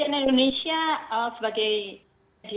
cnn indonesia sebagai penyelenggara covid sembilan belas